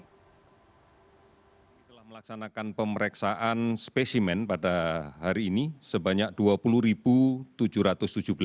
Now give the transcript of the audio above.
hal ini disampaikan jurubicara pemerintah untuk percepatan penanganan covid sembilan belas